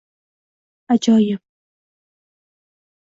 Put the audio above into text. - Ajoyib!